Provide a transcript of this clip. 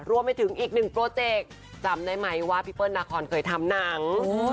รวมไปถึงอีกหนึ่งโปรเจกต์จำได้ไหมว่าพี่เปิ้ลนาคอนเคยทำหนัง